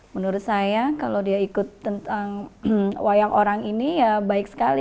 menurut saya kalau dia ikut tentang wayang orang ini ya baik sekali